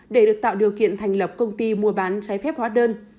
để được tạo điều kiện thành lập công ty mua bán trái phép hóa đơn